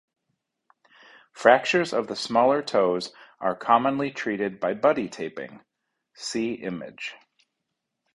Fractures of the smaller toes are commonly treated by buddy taping (see image).